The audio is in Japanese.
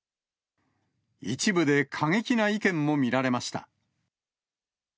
一部で過激な意見も見られました。